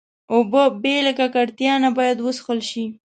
اوبه بې له ککړتیا نه باید وڅښل شي.